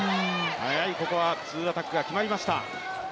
速い、ここはツーアタックが決まりました。